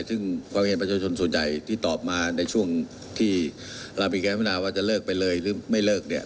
ซึ่งความเห็นประชาชนส่วนใหญ่ที่ตอบมาในช่วงที่เรามีการพัฒนาว่าจะเลิกไปเลยหรือไม่เลิกเนี่ย